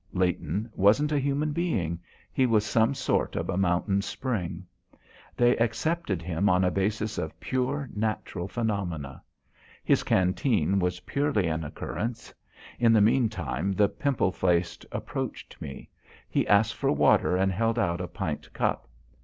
Leighton wasn't a human being; he was some sort of a mountain spring. They accepted him on a basis of pure natural phenomena. His canteen was purely an occurrence. In the meantime the pimple faced approached me. He asked for water and held out a pint cup.